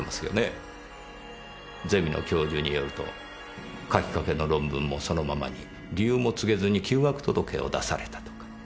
ゼミの教授によると書きかけの論文もそのままに理由も告げずに休学届を出されたとか。